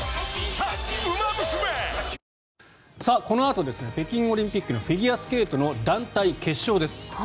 このあと北京オリンピックのフィギュアスケートの団体決勝です。